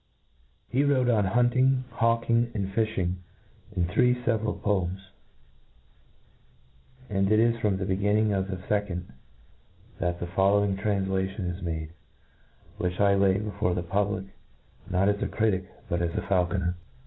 He wrote on hunting, hawking, and fifliing, in three fcveral poems J and it is from the beginning of the fe cond that the following tranflation is made, which I lay before the public, not as a critic, but as a faulconer.